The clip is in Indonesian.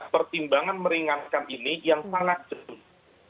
pertimbangan meringankan ini yang sangat jenuh